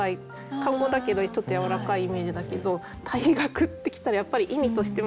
漢語だけどちょっとやわらかいイメージだけど「退学」って来たらやっぱり意味としても重いっていうのあるから。